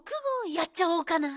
やっちゃおうかな。